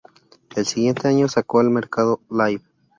El siguiente año sacó al mercado "Live".